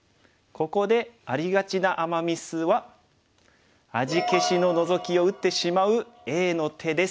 ここでありがちなアマ・ミスは味消しのノゾキを打ってしまうＡの手です。